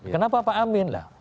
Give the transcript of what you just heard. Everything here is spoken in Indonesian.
kenapa pak amin